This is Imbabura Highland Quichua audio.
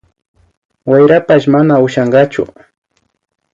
Wayrapash mana ushankachu